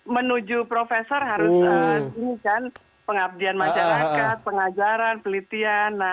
menuju profesor harus ini kan pengabdian masyarakat pengajaran pelitian